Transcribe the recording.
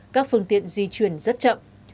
các phương tiện di chuyển rất chậm